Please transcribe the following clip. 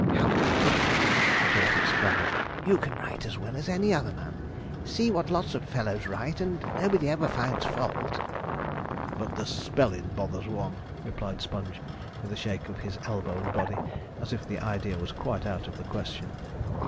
'Hout, fiddle!' retorted Spraggon, 'you can write as well as any other man; see what lots of fellows write, and nobody ever finds fault.' 'But the spellin' bothers one,' replied Sponge, with a shake of his elbow and body, as if the idea was quite out of the question.